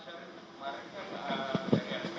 tapi rspi juga menerima empat buah